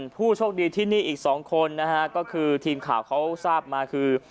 ผู้โชคดีที่นี่อีก๒คนนะฮะก็คือทีมข่าวเขาทราบมาคือ